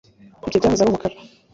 ibyo byahoze ari umukara